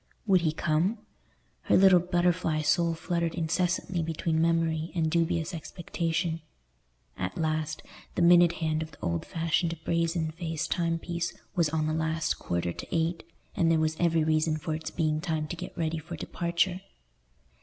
Would he come? Her little butterfly soul fluttered incessantly between memory and dubious expectation. At last the minute hand of the old fashioned brazen faced timepiece was on the last quarter to eight, and there was every reason for its being time to get ready for departure.